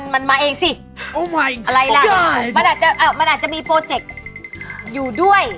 มันมาเองสิมันอาจจะมีโปรเจกต์อยู่ด้วย